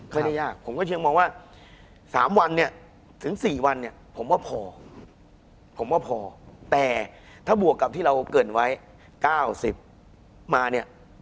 ผมก็เชียงมองว่า๓๔วันผมว่าพอแต่ถ้าบวกกับที่เราเกิดไว้๙๐มา